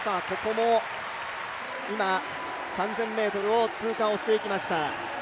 ３０００ｍを通過していきました。